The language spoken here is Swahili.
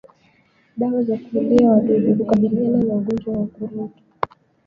Dawa za kuulia wadudu hukabiliana na ugonjwa wa ukurutu